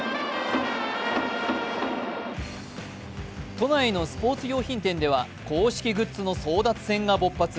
都内のスポーツ用品店では公式グッズの争奪戦が勃発。